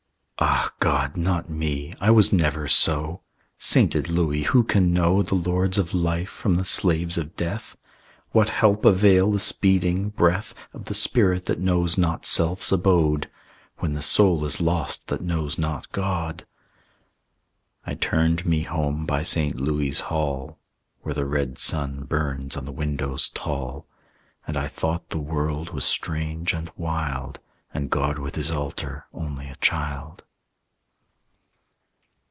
Ah, God! not me: I was never so! Sainted Louis, who can know The lords of life from the slaves of death? What help avail the speeding breath Of the spirit that knows not self's abode, When the soul is lost that knows not God? I turned me home by St. Louis' Hall, Where the red sun burns on the windows tall. And I thought the world was strange and wild, And God with his altar only a child.